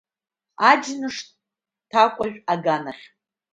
Аџьныш ҭакәажә аганахь.